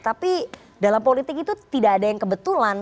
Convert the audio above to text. tapi dalam politik itu tidak ada yang kebetulan